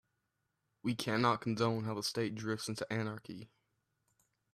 We cannot condone how the state drifts into anarchy.